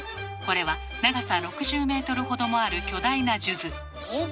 これは長さ６０メートルほどもある巨大な数珠。